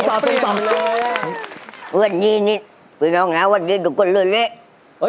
ก็พูดีนี้ชิดหน่อยทุกคนเลย